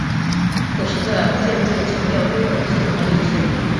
此时的建筑强调功能性和理性。